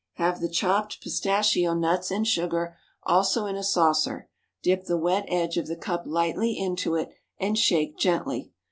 Have the chopped pistachio nuts and sugar also in a saucer, dip the wet edge of the cup lightly into it, and shake gently.